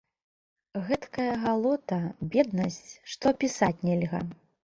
Гэткая галота, беднасць, што апісаць нельга!